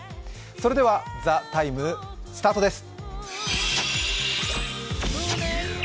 それでは「ＴＨＥＴＩＭＥ，」スタートです。